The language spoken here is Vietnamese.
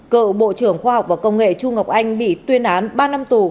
cựu bộ trưởng khoa học và công nghệ chu ngọc anh bị tuyên án ba năm tù